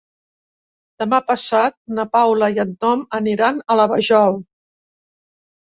Demà passat na Paula i en Tom aniran a la Vajol.